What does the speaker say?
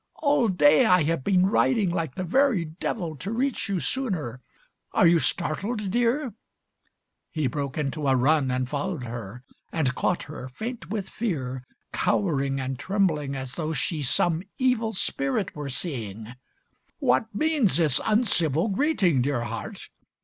All day I have been riding like the very devil To reach you sooner. Are you startled, Dear?" He broke into a run and followed her, And caught her, faint with fear, Cowering and trembling as though she some evil Spirit were seeing. "What means this uncivil Greeting, Dear Heart?"